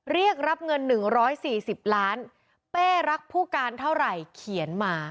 เรียกรับเงินหนึ่งร้อยสี่สิบล้านเป้รักผู้การเท่าไหร่เขียนมา